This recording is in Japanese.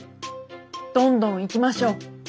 どんどんいきましょう。